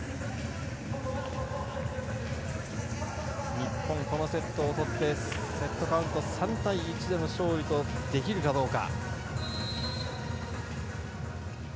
日本、このセットを取ってセットカウント３対１での勝利とできるかどうか。